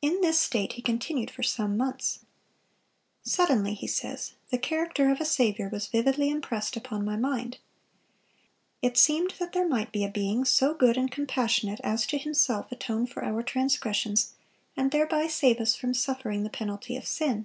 In this state he continued for some months. "Suddenly," he says, "the character of a Saviour was vividly impressed upon my mind. It seemed that there might be a being so good and compassionate as to himself atone for our transgressions, and thereby save us from suffering the penalty of sin.